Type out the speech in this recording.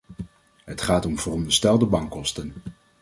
Het gaat om veronderstelde bankkosten.